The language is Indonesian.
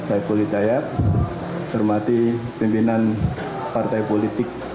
saya kuli tayat hormati pimpinan partai politik